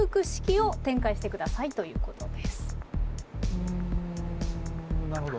うんなるほど。